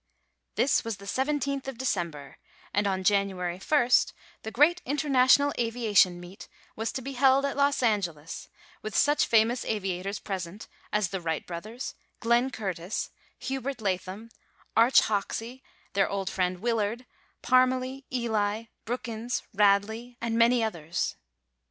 This was the 17th of December, and on January first the great International Aviation Meet was to be held at Los Angeles, with such famous aviators present as the Wright Brothers, Glenn Curtiss, Hubert Latham, Arch Hoxsey, their old friend Willard, Parmalee, Ely, Brookins, Radley and many others.